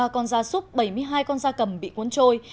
ba con da súc bảy mươi hai con da cầm bị cuốn trôi